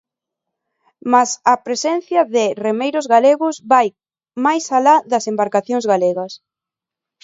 Mais a presenza de remeiros galegos vai máis alá da embarcación galegas.